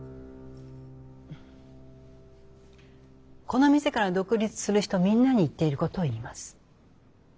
この店から独立する人みんなに言っていることを言います。